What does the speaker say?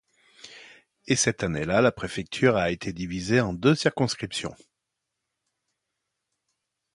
Et cette année-là la préfecture a été divisée en deux circonscriptions.